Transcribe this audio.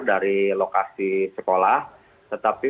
dari lokasi sekolah tetapi